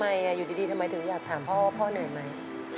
อยู่ดีทำไมถึงอยากถามพ่อว่าพ่อเหนื่อยไหม